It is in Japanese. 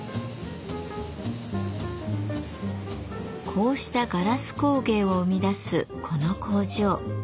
こうしたガラス工芸を生み出すこの工場。